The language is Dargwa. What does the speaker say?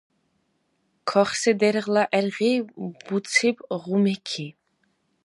Кахси дергъла гӀергъи буциб Гъумеки.